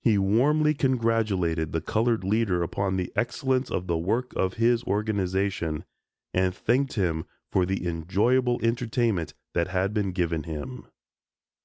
He warmly congratulated the colored leader upon the excellence of the work of his organization, and thanked him for the enjoyable entertainment that had been given him.